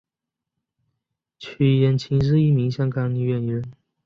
区燕青是一名香港女演员。